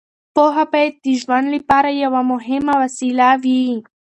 پوهه باید د ژوند لپاره یوه مهمه وسیله وي.